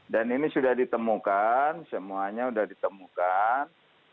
ini sudah ditemukan semuanya sudah ditemukan